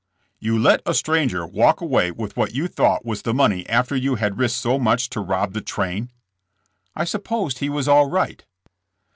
You let a stranger walk away with what you thought was the money after you had risked so much to rob the train ?'' *'I supposed he was all right."